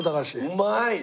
うまい！